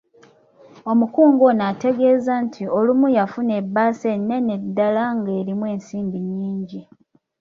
Omukungu ono ategeeza nti olumu yafuna ebbaasa ennene ddala ng’erimu ensimbi nnyingi.